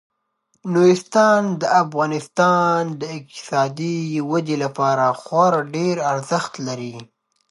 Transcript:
نورستان د افغانستان د اقتصادي ودې لپاره خورا ډیر ارزښت لري.